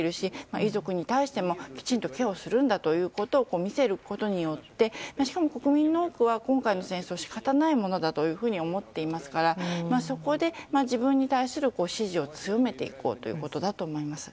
遺族に対しても、きちんとケアをするんだということを見せることによってしかも国民の多くは今回の戦争は仕方がないことだと思っていますからそこで、自分に対する支持を強めていこうということだと思います。